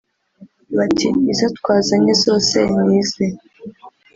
Bati“ Izo twazanye zose ni ize”